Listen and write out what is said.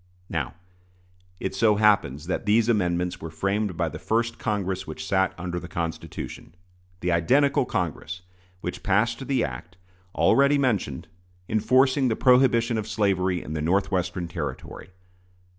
Now, it so happens that these amendments were framed by the first Congress which sat under the Constitution the identical Congress which passed the act, already mentioned, enforcing the prohibition of slavery in the Northwestern Territory.